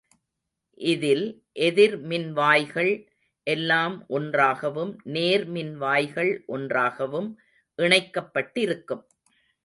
இதில் எதிர் மின்வாய்கள் எல்லாம் ஒன்றாகவும் நேர் மின்வாய்கள் ஒன்றாகவும் இணைக்கப்பட்டிருக்கும்.